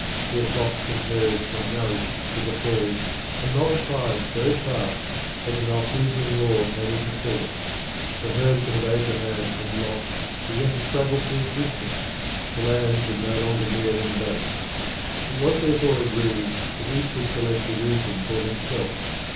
Their flocks and herds were nourished to the full, and multiplied so fast that the Malthusian Law came into force; the herdsmen of Abraham and Lot began to struggle for existence; the land could no longer bear them both. It was therefore agreed that each should select a region for himself.